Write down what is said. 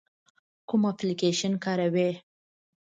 کوم اپلیکیشن کاروئ؟